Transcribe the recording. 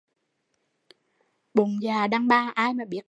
Bụng dạ đàn bà ai mà biết được